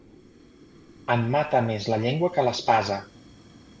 En mata més la llengua que l'espasa.